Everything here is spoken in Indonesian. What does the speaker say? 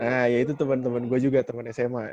nah ya itu temen temen gue juga temen sma